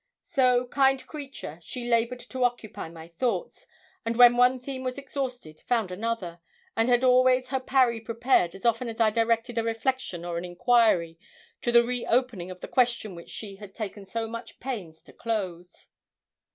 So, kind creature, she laboured to occupy my thoughts, and when one theme was exhausted found another, and had always her parry prepared as often as I directed a reflection or an enquiry to the re opening of the question which she had taken so much pains to close.